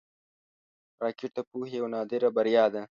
راکټ د پوهې یوه نادره بریا ده